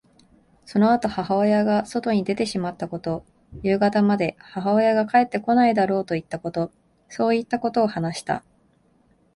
そのあと母親が外に出てしまったこと、夕方まで母親が帰ってこないだろうといったこと、そういったことを話した。